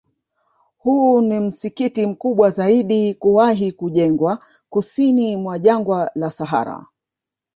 Huu ni msikiti mkubwa zaidi kuwahi kujengwa Kusini mwa Jangwa la Sahara